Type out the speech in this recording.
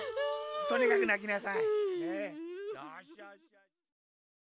とにかくなきなさい。